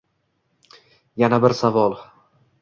Yana bir savol.